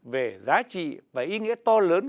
về giá trị và ý nghĩa to lớn